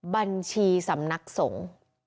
บัญชีสำนักสงฆ์